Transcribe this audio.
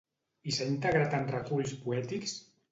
I s'ha integrat en reculls poètics?